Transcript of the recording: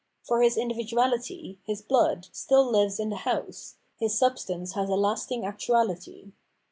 * For his individuahty, his blood, still hves in the house, his substance has a lasting actuahty.